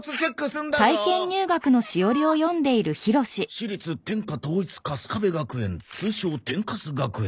「私立天下統一カスカベ学園通称天カス学園」。